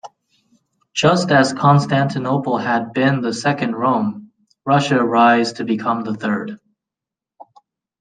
Just as Constantinople had been the Second Rome, Russia rise to become the Third.